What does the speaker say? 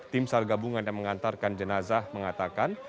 tim sar gabungan yang mengantarkan jenazah mengatakan